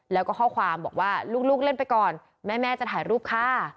แล้วก็ข้อความบอกว่าลูกเล่นไปก่อนแม่จะถ่ายรูปค่ะ